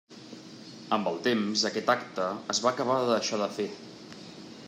Amb el temps aquest acte es va acabar de deixar de fer.